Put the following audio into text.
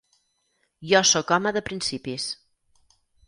Jo soc home de principis.